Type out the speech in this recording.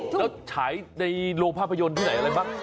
แล้วฉายในโรงภาพยนตร์ที่ไหนอะไรบ้าง